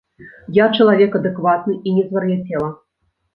Я чалавек адэкватны і не звар'яцела!